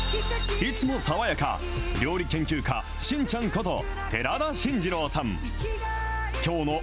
いつも爽やか、料理研究家、真ちゃんこと寺田真二郎さん。